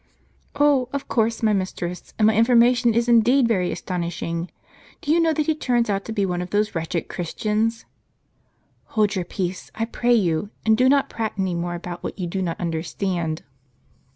"Oh, of course, my mistress; and my information is indeed very astonishing. Do you know that he turns out to be one of those wretched Christians? "" Hold your peace, I pray you, and do not prate any more about what you do not understand."